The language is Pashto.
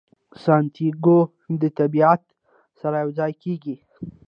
سانتیاګو د طبیعت سره یو ځای کیږي.